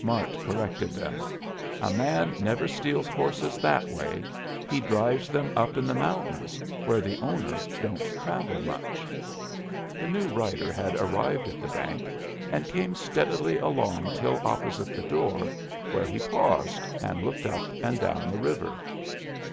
Mart corrected them. "A man never steals horses that way. He drives them up in the mountains, where the owner don't travel much." The new rider had arrived at the bank and came steadily along till opposite the door, where he paused and looked up and down the river.